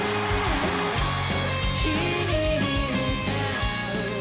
「君に歌う」